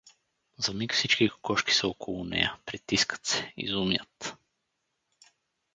За миг всички кокошки са около нея — притискат се, изумят.